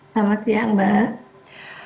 selamat siang mbak